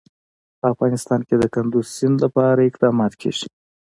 په افغانستان کې د کندز سیند لپاره اقدامات کېږي.